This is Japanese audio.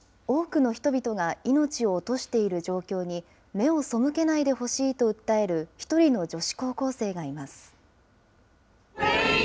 多くの人々が命を落としている状況に、目を背けないでほしいと訴える１人の女子高校生がいます。